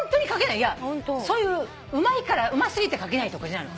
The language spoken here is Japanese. いやそういううまいからうますぎて書けないとかじゃないの。